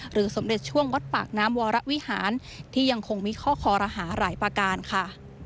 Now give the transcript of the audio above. สมเด็จช่วงวัดปากน้ำวรวิหารที่ยังคงมีข้อคอรหาหลายประการค่ะ